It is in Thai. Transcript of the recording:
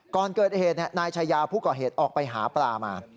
ก่อนเกิดเหตุเนี่ยนายชัยพุฏกตเหตุออกไปหาปลามา